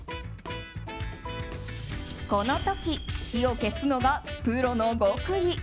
この時、火を消すのがプロの極意。